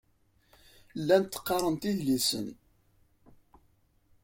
Llant qqarent idlisen.